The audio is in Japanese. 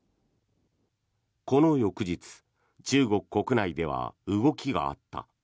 この翌日、中国国内では動きがあった。